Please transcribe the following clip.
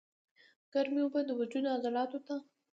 ګرمې اوبۀ د وجود عضلاتو ته